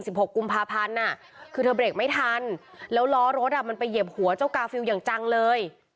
หกกุมภาพันธ์อ่ะคือเธอเบรกไม่ทันแล้วล้อรถอ่ะมันไปเหยียบหัวเจ้ากาฟิลอย่างจังเลย